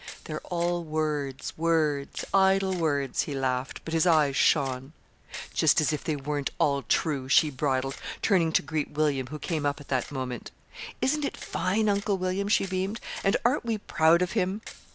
"They're all words, words, idle words," he laughed; but his eyes shone. "Just as if they weren't all true!" she bridled, turning to greet William, who came up at that moment. "Isn't it fine, Uncle William?" she beamed. "And aren't we proud of him?"